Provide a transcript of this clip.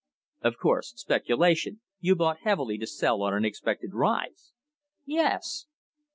"Of course. Speculation you bought heavily to sell on an expected rise?" "Yes."